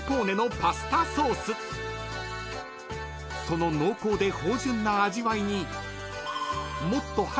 ［その濃厚で芳醇な味わいに］